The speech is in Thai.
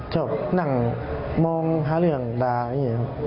ชอบนั่งมองหาเรื่องด่าอย่างนี้ครับ